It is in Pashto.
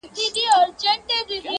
که را مخ زما پر لور هغه صنم کا,